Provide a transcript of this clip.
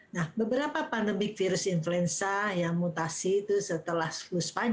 nah beberapa pandemi virus influenza yang mutasi itu setelah flu span